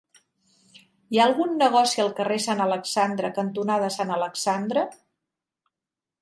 Hi ha algun negoci al carrer Sant Alexandre cantonada Sant Alexandre?